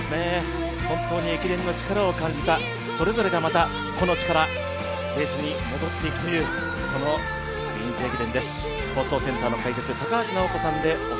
本当に駅伝の力を感じた、それぞれがまた個の力、戻っていくというクイーンズ駅伝です。